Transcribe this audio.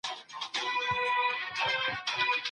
دولت د خصوصي سکتور ملاتړ کاوه.